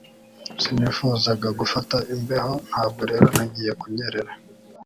Sinifuzaga gufata imbeho ntabwo rero nagiye kunyerera